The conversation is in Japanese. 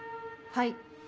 はい。